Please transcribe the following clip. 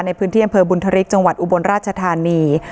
ในพื้นที่อำเภอบุญธริกจังหวัดอุบลราชธานี